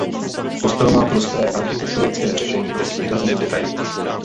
Kostel má prosté architektonické řešení bez výrazných detailů.